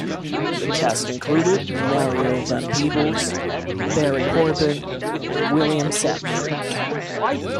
The cast included Mario Van Peebles, Barry Corbin, and William Sadler.